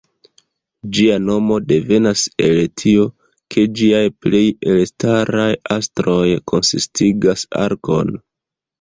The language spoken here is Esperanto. Ĝia nomo devenas el tio, ke ĝiaj plej elstaraj astroj konsistigas arkon.